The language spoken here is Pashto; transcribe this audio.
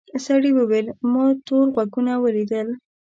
سړي وویل ما تور غوږونه ولیدل.